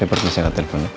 saya percaya gak telponnya